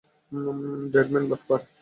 Dead man বাটপার!